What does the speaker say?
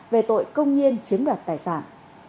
về tội công nhiên chiếm đạt tài sản